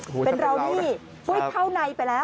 เป็นเรานี่อุ้ยเข้าในไปแล้ว